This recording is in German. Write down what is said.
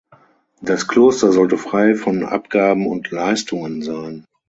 Das Kloster sollte frei von Abgaben und Leistungen sein.